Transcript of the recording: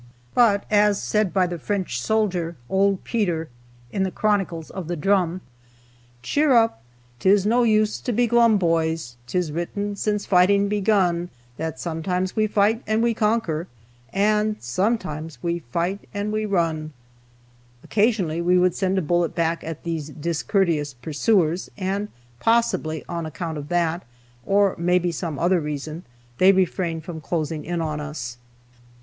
But, as said by the French soldier, old Peter, in "The Chronicles of the Drum," "Cheer up!'tis no use to be glum, boys, 'Tis written, since fighting begun, That sometimes we fight and we conquer And sometimes we fight and we run." Occasionally we would send a bullet back at these discourteous pursuers, and possibly on account of that, or maybe some other reason, they refrained from closing in on us.